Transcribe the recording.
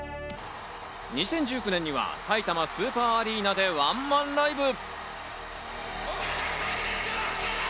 ２０１９年にはさいたまスーパーアリーナでワンマンライブ。